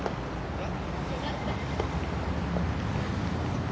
えっ？